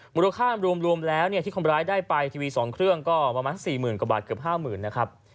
มูลค่ารวมแล้วที่คนร้ายได้ไปทีวี๒เครื่องก็ประมาณ๔๐๐๐กว่าบาทเกือบ๕๐๐๐นะครับ